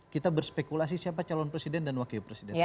kita berspekulasi siapa calon presiden dan wakil presiden